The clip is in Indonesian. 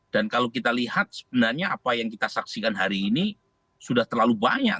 dan kalau kita lihat sebenarnya apa yang kita saksikan hari ini sudah terlalu banyak